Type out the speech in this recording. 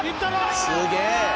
すげえ！